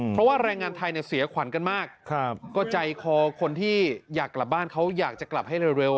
เพราะว่าแรงงานไทยเนี่ยเสียขวัญกันมากก็ใจคอคนที่อยากกลับบ้านเขาอยากจะกลับให้เร็ว